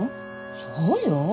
そうよ。